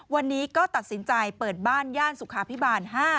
วันนี้ก็ตัดสินใจเปิดบ้านย่านสุขาพิบาล๕